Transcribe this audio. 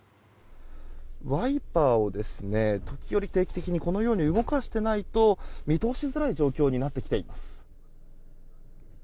ワイパーを時折、定期的にこのように動かしていないと見通しづらい状況になってきています。